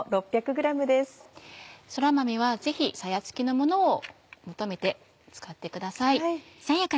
そら豆はぜひさやつきのものを求めて使ってください。